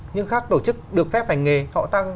nhưng khác tổ chức được phép hành nghề